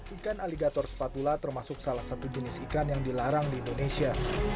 ikan aligator sepatula termasuk salah satu jenis ikan yang dilarang di indonesia